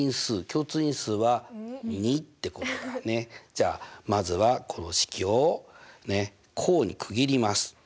じゃあまずはこの式を項に区切ります。